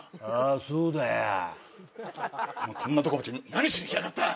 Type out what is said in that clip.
ああそうだよ